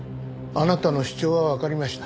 あなたの主張はわかりました。